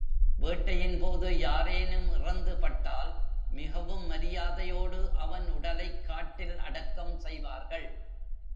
வேட்டையின் போது யாரேனும் இறந்துபட்டால், மிகவும் மரியாதையோடு அவன் உடலைக் காட்டில் அடக்கம் செய்வார்கள்.